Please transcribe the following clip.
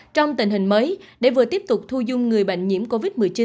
trong tình hình mới để vừa tiếp tục thu dung người bệnh nhiễm covid một mươi chín